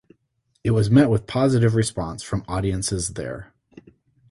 It was met with positive response from audiences there.